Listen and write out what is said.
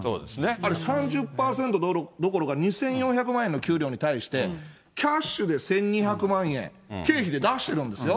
あれ、３０％どころか２４００万円の給料に対して、キャッシュで１２００万円、経費で出してるんですよ。